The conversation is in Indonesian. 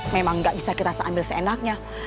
memang nggak bisa kita ambil seenaknya